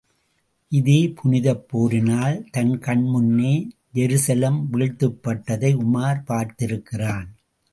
இதே புனிதப் போரினால், தன் கண் முன்னே ஜெருசலம் வீழ்த்தப் பட்டதை உமார் பார்த்திருக்கிறான்.